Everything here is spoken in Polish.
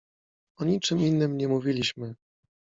O niczym innym nie mówiliśmy.